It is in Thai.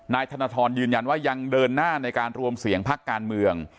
ธนทรยืนยันว่ายังเดินหน้าในการรวมเสียงพักการเมือง